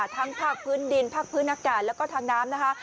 ภาคพื้นดินภาคพื้นอากาศแล้วก็ทางน้ำนะคะ